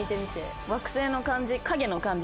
惑星の感じ